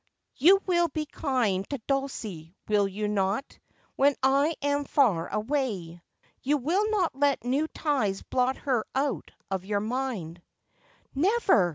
You will be kind to Dulcie, will you not, when I am far away ? You will not let new ties blot her out of your mind V ' Never